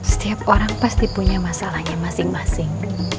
setiap orang pasti punya masalahnya masing masing